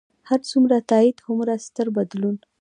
هر څومره تایید، هغومره ستر بدلون.